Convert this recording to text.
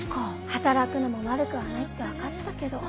働くのも悪くはないって分かったけど。